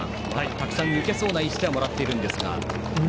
たくさん抜けそうな位置でもらっているんですが。